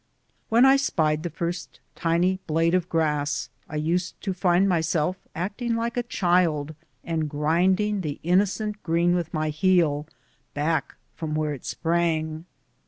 When I spied the first tiny blade of grass, I used to find myself acting like a child and grinding the inno cent green with my heel, back from where it sprang.